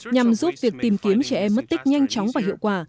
nhằm giúp việc tìm kiếm trẻ em mất tích nhanh chóng và hiệu quả